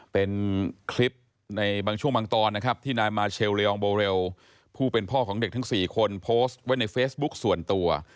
เป็นคลิปในบางช่วงบางตอนนะครับที่นายมาเชลลียองโบเรลผู้เป็นพ่อของเด็กทั้ง๔คนโพสต์ไว้ในเฟซบุ๊คส่วนตัว